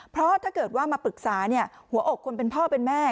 เพราะถ้าเกิดว่ามาปรึกษาหัวอกคนเป็นพ่อเป็นแม่